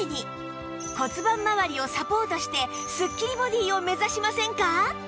骨盤まわりをサポートしてスッキリボディーを目指しませんか？